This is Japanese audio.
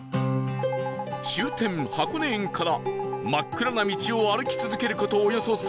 終点箱根園から真っ暗な道を歩き続ける事およそ３キロ